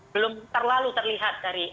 belum terlalu terlihat dari